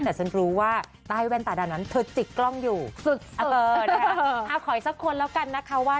แต่ฉันรู้ว่าใต้แว่นตาดาวนั้นเธอจิกกล้องอยู่ขออีกสักคนแล้วกันนะคะว่า